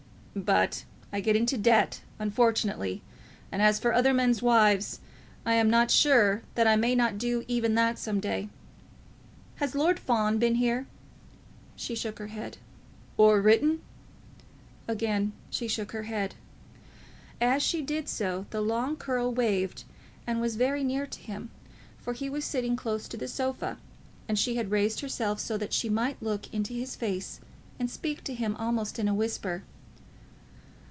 "But I get into debt, unfortunately; and as for other men's wives, I am not sure that I may not do even that some day. Has Lord Fawn been here?" She shook her head. "Or written?" Again she shook her head. As she did so the long curl waved and was very near to him, for he was sitting close to the sofa, and she had raised herself so that she might look into his face and speak to him almost in a whisper.